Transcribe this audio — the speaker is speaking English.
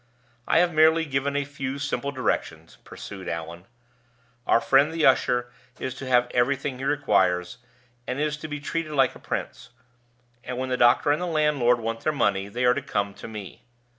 "I have merely given a few simple directions," pursued Allan. "Our friend the usher is to have everything he requires, and is to be treated like a prince; and when the doctor and the landlord want their money they are to come to me."